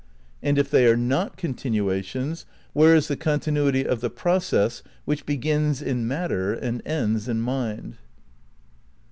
And if they are not continuations where is the continuity of the process which begins in matter and ends in mind?